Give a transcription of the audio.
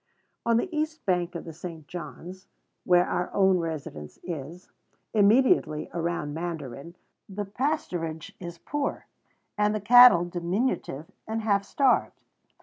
On the east bank of the St. John's, where our own residence is, immediately around Mandarin, the pasturage is poor, and the cattle diminutive and half starved.